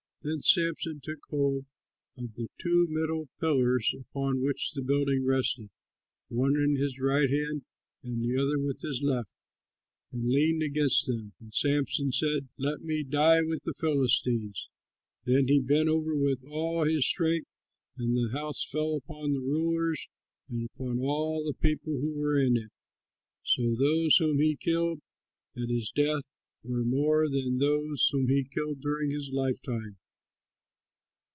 Then Samson took hold of the two middle pillars upon which the building rested, one with his right hand and the other with his left, and leaned against them. And Samson said, "Let me die with the Philistines." Then he bent over with all his strength, and the house fell upon the rulers and upon all the people who were in it. So those whom he killed at his death were more than those whom he killed during his lifetime.